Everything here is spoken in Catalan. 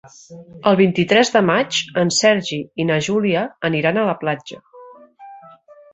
El vint-i-tres de maig en Sergi i na Júlia aniran a la platja.